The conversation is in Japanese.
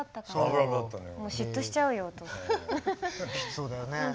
そうだよね。